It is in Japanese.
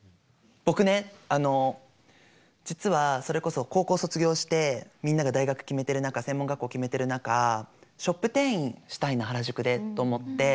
僕ね実はそれこそ高校を卒業してみんなが大学決めてる中専門学校を決めてる中ショップ店員をしたいな原宿でと思って。